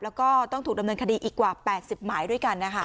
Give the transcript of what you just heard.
แล้วก็ต้องถูกดำเนินคดีอีกกว่า๘๐หมายด้วยกันนะคะ